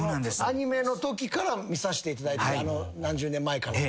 アニメのときから見させていただいて何十年前から。